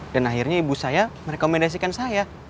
dan akhirnya ibu saya merekomendasikan saya